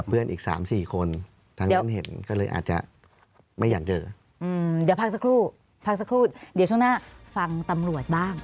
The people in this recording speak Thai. เดี๋ยวพักสักครู่เดี๋ยวช่วงหน้าฟังตำรวจบ้าง